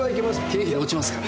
経費で落ちますから。